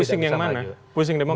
lebih pusing yang mana pusing demokrat